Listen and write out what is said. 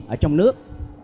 ở trong nước